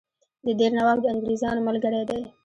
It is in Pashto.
د دیر نواب د انګرېزانو ملګری دی.